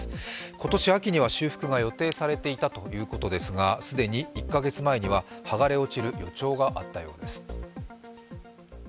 今年秋には修復が予定されていたということですが既に１か月前には剥がれ落ちる予兆があったようです。